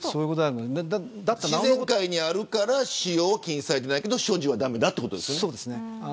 自然界にあるから使用が禁止されていないけど所持は駄目だってことですよね。